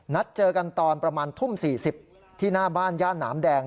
นัดเจอกันตอนประมาณทุ่ม๔๐ที่หน้าบ้านย่านหนามแดง